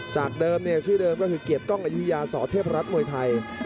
จากเดิมชื่อเดิมก็คือเกียรติกล้องอายุยาสอเทพรัฐมวยไทย